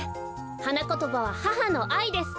はなことばは「母のあい」です。